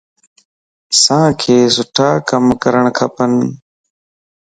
اسانک سٺا ڪم ڪرڻ کپن.